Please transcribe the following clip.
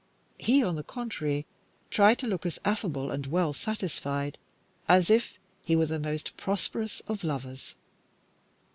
He, on the contrary, tried to look as affable and well satisfied as if he were the most prosperous of lovers.